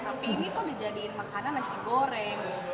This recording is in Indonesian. tapi ini tuh dijadiin makanan nasi goreng